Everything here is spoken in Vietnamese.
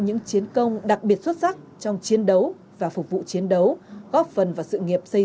những chiến công đặc biệt xuất sắc trong chiến đấu và phục vụ chiến đấu góp phần vào sự nghiệp xây